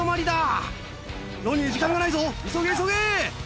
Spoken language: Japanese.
ロニー時間がないぞ急げ急げ。